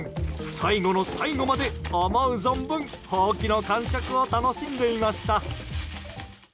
最後の最後まで、思う存分ほうきの感触を楽しんでいました。